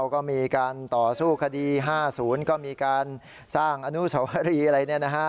ก็มีการต่อสู้คดี๕๐ก็มีการสร้างอนุสวรีอะไรเนี่ยนะฮะ